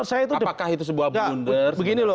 apakah itu sebuah bunder